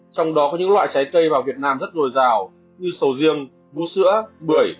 trong đó có những loại trái cây vào việt nam rất rồi rào như sầu riêng bú sữa bưởi